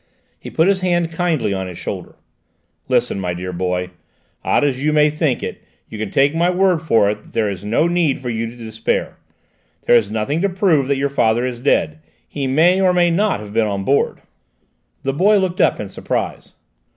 He put his hand kindly on his shoulder. "Listen, my dear boy; odd as you may think it, you can take my word for it that there is no need for you to despair; there is nothing to prove that your father is dead; he may not have been on board." The boy looked up in surprise.